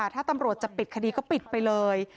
ถ้าตำรวจจะปิดคดีก็ปิดไปเลย